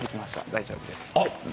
大丈夫です。